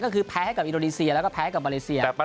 ก็คือแพ้ให้กับอินโดนีเซียแล้วก็แพ้กับมาเลเซีย